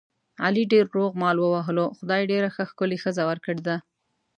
علي ډېر روغ مال ووهلو، خدای ډېره ښه ښکلې ښځه ور کړې ده.